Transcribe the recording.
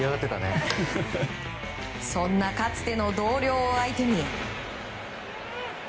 そんなかつての同僚を相手に。